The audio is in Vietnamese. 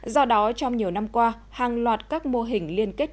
do đó trong nhiều năm qua hàng loạt các mô hình liên kết